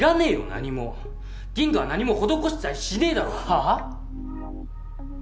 何もギンガは何も施したりしねぇだろはぁ？